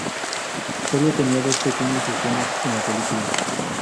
Sólo tenía dos pequeñas escenas en la película.